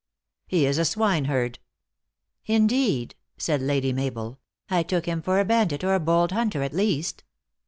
" He is a swine herd." " Indeed !" said Lady Mabel. " I took him for a bandit, or a bold hunter, at least."